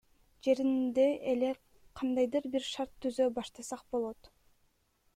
Жеринде эле кандайдыр бир шарт түзө баштасак болот.